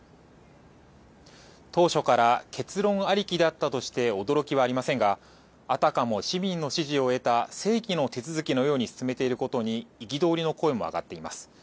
当初から結論ありきだったとして驚きはありませんがあたかも市民の支持を得た正規の手続きのように進めていることに憤りの声も上がっています。